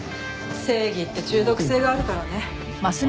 正義って中毒性があるからね。